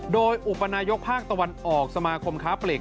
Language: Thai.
โดยอุปนายกภาคตะวันออกสมาคมค้าปลีก